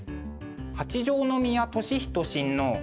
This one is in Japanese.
八条宮智仁親王